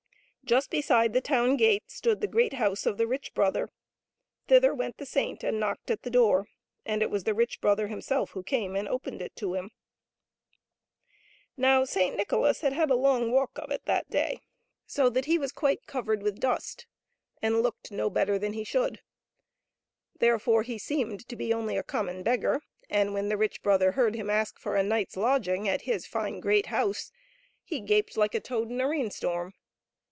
Just beside the town gate stood the great house of the rich brother; thither went the saint and knocked at the door, and it was the rich brother himself who came and opened it to him. Now, Saint Nicholas had had a long walk of it that day, so that he was 124 "OW THE GOOD GIFTS WERE USED BY TWO. quite covered with dust, and looked no better than he should. Therefore he seemed to be only a common beggar ; and when the rich brother heard him ask for a night's lodging at his fine, great house, he gaped like a toad in a rain storm.